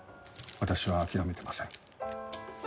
私は諦めてません。